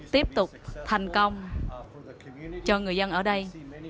tiếp tục thành công cho người dân ở đây